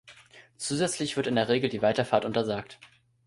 Zusätzlich wird in der Regel die Weiterfahrt untersagt.